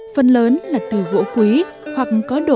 phần lớn là từ gỗ quý hoặc các bài văn thơ